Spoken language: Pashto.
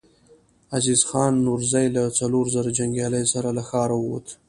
عزيز خان نورزی له څلورو زرو جنګياليو سره له ښاره ووت.